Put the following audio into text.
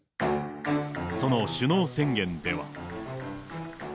その首脳宣言では。